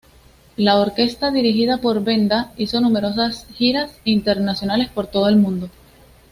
La orquesta, dirigida por Benda, hizo numerosas giras internacionales por todo el mundo.